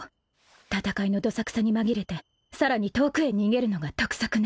戦いのどさくさに紛れてさらに遠くへ逃げるのが得策ね